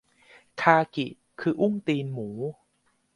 คากิคืออุ้งตีนหมู